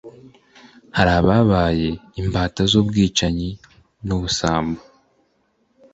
hari ababaye imbata z’ubwicanyi n’ubusambo